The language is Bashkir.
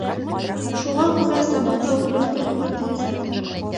Шуға күрә сабата үрергә тура киләсәк.